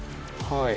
はい。